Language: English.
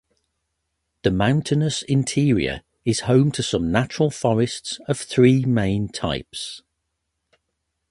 The mountainous interior is home to some natural forests of three main types.